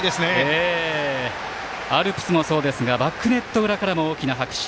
アルプスもそうですがバックネット裏からも大きな拍手。